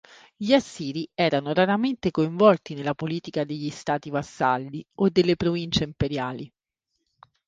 Gli Assiri erano raramente coinvolti nella politica degli stati vassalli o delle province imperiali.